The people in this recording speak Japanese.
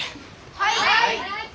はい！